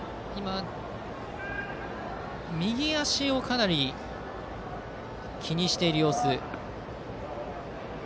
右足をかなり気にしている様子。